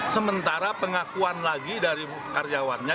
sementara pengakuan lagi dari karyawannya